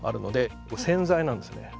これ洗剤なんですね。